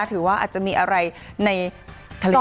ถือว่าอาจจะมีอะไรในทะเล